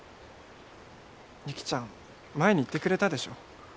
雪ちゃん前に言ってくれたでしょ？